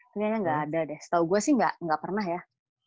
ternyata gak ada deh setau gue sih gak pernah ya